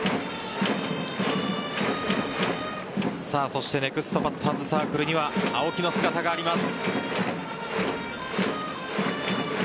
そしてネクストバッターズサークルには青木の姿があります。